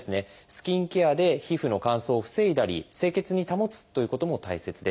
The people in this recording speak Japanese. スキンケアで皮膚の乾燥を防いだり清潔に保つということも大切です。